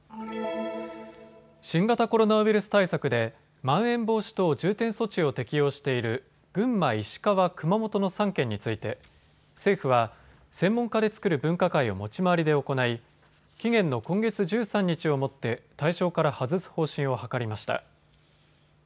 新型コロナウイルス対策でまん延防止等重点措置を適用している群馬、石川、熊本の３県について政府は専門家で作る分科会を持ち回りで行い期限の今月１３日をもって対象から外す方針を諮りました。